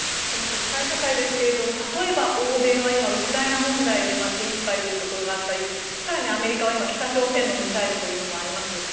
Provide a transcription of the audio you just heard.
その国際社会ですが例えば欧米は今ウクライナ問題で手いっぱいというところがあったり更にアメリカは北朝鮮のミサイルというのもあります。